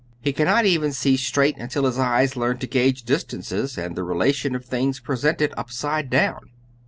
He cannot even see straight until his eyes learn to gage distances and the relation of things presented upside down.